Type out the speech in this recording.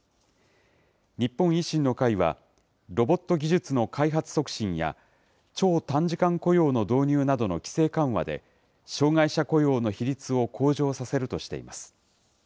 日本維新の会は、ロボット技術の開発促進や、超短時間雇用の導入などの規制緩和で、障害者雇用の比率を向上させるとしています。